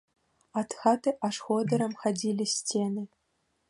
Ад хаты аж ходырам хадзілі сцены.